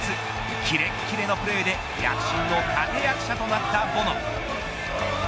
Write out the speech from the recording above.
きれっきれのプレーで躍進の立て役者となったボノ。